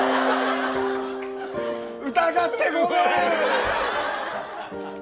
疑ってごめん。